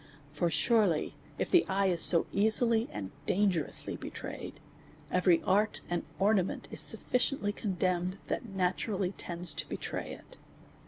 For sure ly, if the eye is so easily and dangerously betrayed, every art and ornament is sufficiently condemned, that naturally tends to betray it.